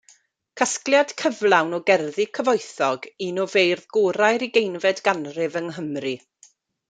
Casgliad cyflawn o gerddi cyfoethog un o feirdd gorau'r ugeinfed ganrif yng Nghymru.